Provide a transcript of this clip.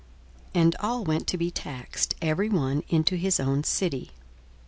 42:002:003 And all went to be taxed, every one into his own city.